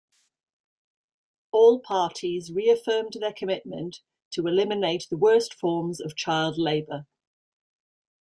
All parties reaffirmed their commitment to eliminate the worst forms of child labor.